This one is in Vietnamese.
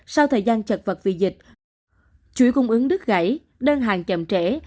sau thời gian chật vật vì dịch chuỗi cung ứng đứt gãy đơn hàng chậm trễ